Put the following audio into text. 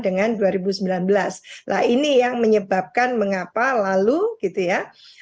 nah ini yang menyebabkan mengapa lalu gitu ya